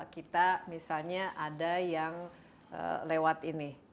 kita misalnya ada yang lewat ini